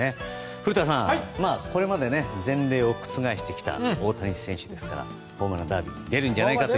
古田さん、これまで前例を覆してきた大谷選手ですからホームランダービー出るんじゃないかと。